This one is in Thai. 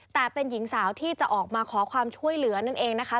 แต่เป็นหญิงสาวที่จะออกมาขอความช่วยเหลือนั่นเองนะคะ